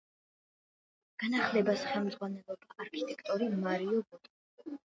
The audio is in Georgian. განახლებას ხელმძღვანელობდა არქიტექტორი მარიო ბოტა.